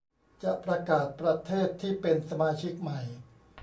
จะประกาศประเทศที่เป็นสมาชิกใหม่